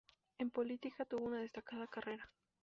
En política tuvo una destacada carrera.